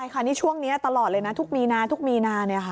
ค่ะนี่ช่วงนี้ตลอดเลยนะทุกมีนาทุกมีนา